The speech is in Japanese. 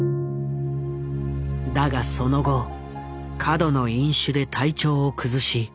だがその後過度の飲酒で体調を崩し妻とも離婚。